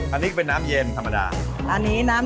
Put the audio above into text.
อันนี้ก็เป็นน้ำเย็นธรรมดา